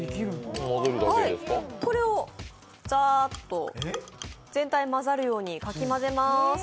これをざーっと全体が混ざるようにかき混ぜます。